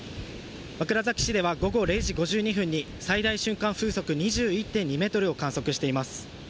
枕崎市では午後０時５２分に最大瞬間風速２１．２メートルを観測しています。